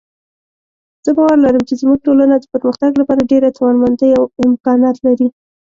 زه باور لرم چې زموږ ټولنه د پرمختګ لپاره ډېره توانمندۍ او امکانات لري